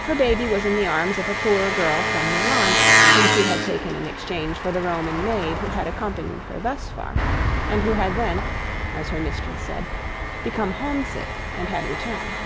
Her baby was in the arms of a poor girl from Milan, whom she had taken in exchange for the Roman maid who had accompanied her thus far, and who had then, as her mistress said, become homesick and had returned.